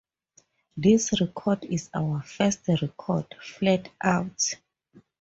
This record is our first record, flat out.